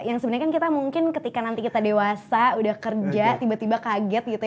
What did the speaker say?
yang sebenarnya kan kita mungkin ketika nanti kita dewasa udah kerja tiba tiba kaget gitu ya